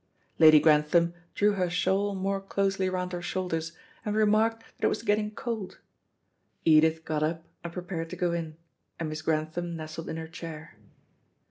Lady Grantham drew her shawl more closely round her shoulders, and remarked that it was getting cold. Edith got up and prepared to go in, and Miss Grantham nestled in her chair.